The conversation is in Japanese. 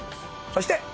そして。